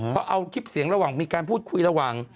พอเอาคลิปเสียงระหว่างมีการพูดคุยระหว่าง